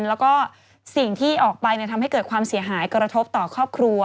แล้วก็สิ่งที่ออกไปทำให้เกิดความเสียหายกระทบต่อครอบครัว